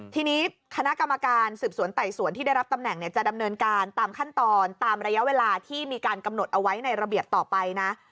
ทีนี้คณะกรรมการสืบสวนไต่สวนที่ได้รับตำแหน่งจะดำเนินการตามขั้นตอนตามระยะเวลาที่มีการกำหนดเอาไว้ในระเบียบต่อไปนะ